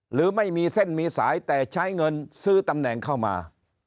หรือไม่มีเส้นมีสายแต่ใช้เงินซื้อตำแหน่งเข้ามา